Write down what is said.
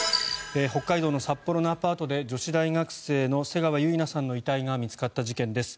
北海道の札幌のアパートで女子大学生の瀬川結菜さんの遺体が見つかった事件です。